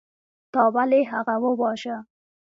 تا ولې هغه وواژه.